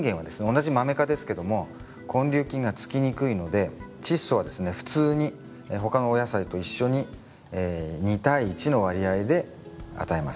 同じマメ科ですけども根粒菌がつきにくいのでチッ素はですね普通に他のお野菜と一緒に２対１の割合で与えます。